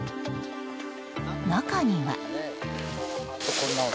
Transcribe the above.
中には。